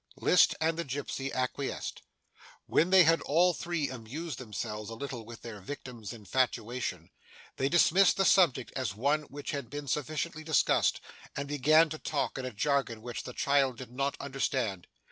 List and the gipsy acquiesced. When they had all three amused themselves a little with their victim's infatuation, they dismissed the subject as one which had been sufficiently discussed, and began to talk in a jargon which the child did not understand.